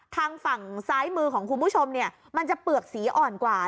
ทางฝั่งซ้ายมือของคุณผู้ชมเนี่ยมันจะเปลือกสีอ่อนกว่า